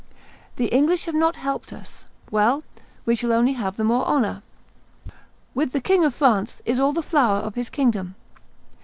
The English have not helped us; well, we shall only have the more honor. With the King of France is all the flower of his kingdom.